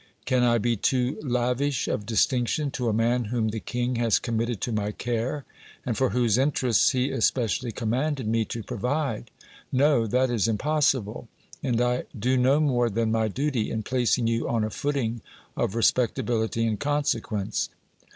Can I be too lavish of distinction to a man whom the king has committed to my care, and for whose interests he especially commanded me to provide? No, that is impossible ; and I do no more than my duty in placing you on a footing of respectability and consequence.